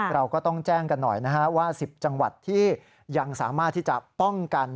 เราก็ต้องแจ้งกันหน่อยนะฮะว่า๑๐จังหวัดที่ยังสามารถที่จะป้องกัน